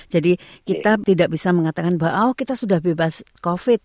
jadi kita tidak bisa mengatakan bahwa kita sudah bebas covid